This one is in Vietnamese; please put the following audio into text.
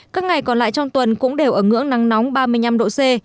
các ngày còn lại trong tuần cũng đều ở ngưỡng nắng nóng ba mươi năm độ c